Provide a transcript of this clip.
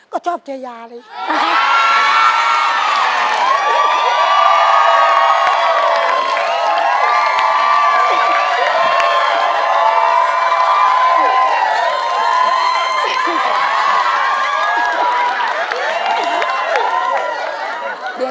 ก็ชอบเจอยาเลย